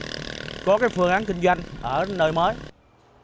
mua nhà có cái phương án kinh doanh ở nơi mới mua nhà có cái phương án kinh doanh ở nơi mới